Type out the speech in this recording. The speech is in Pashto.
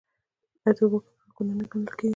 آیا د اوبو ککړول ګناه نه ګڼل کیږي؟